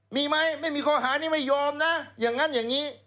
มีไหมไม่มีข้อหานี้ไม่ยอมนะอย่างนั้นอย่างนี้